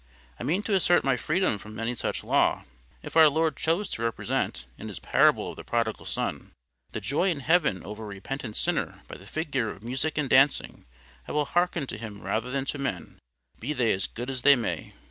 I mean to assert my freedom from any such law. If our Lord chose to represent, in His parable of the Prodigal Son, the joy in Heaven over a repentant sinner by the figure of 'music and dancing,' I will hearken to Him rather than to men, be they as good as they may."